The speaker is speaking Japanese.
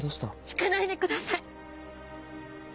行かないでください。